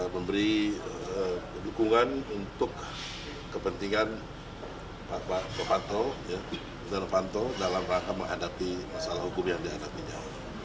memberi dukungan untuk kepentingan bapak novanto dalam rangka menghadapi masalah hukum yang dihadapinya